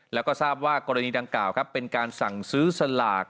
แล้วก็ทราบว่ากรณีดังกล่าวเป็นการสั่งซื้อสลาก